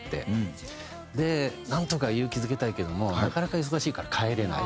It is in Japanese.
でなんとか勇気づけたいけどもなかなか忙しいから帰れない。